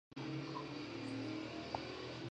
مېلمه ته په پراخه ټنډه ښه راغلاست ووایئ.